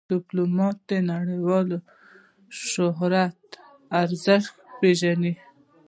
ډيپلومات د نړیوال شهرت ارزښت پېژني.